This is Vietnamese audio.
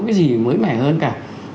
cái gì mới mẻ hơn cả